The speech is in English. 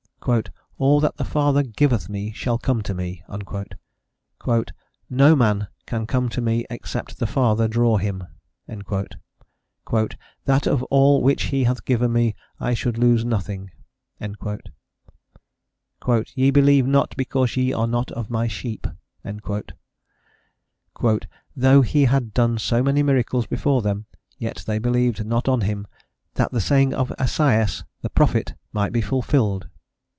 "All that the Father giveth me shall come to me." "No man can come to me except the Father draw him." "That of all which He hath given me I should lose nothing." "Ye believe not, because ye are not of my sheep." "Though he had done so many miracles before them, yet they believed not on him: that the saying of Esaias the prophet _might be fulfilled.